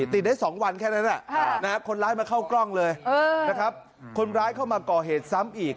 ติดได้๒วันแค่นั้นคนร้ายมาเข้ากล้องเลยนะครับคนร้ายเข้ามาก่อเหตุซ้ำอีก